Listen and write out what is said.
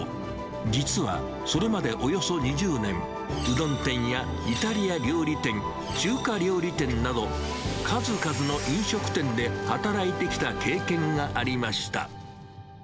実はそれまでおよそ２０年、うどん店やイタリア料理店、中華料理店など、数々の飲食店で働いてきた経験がありました。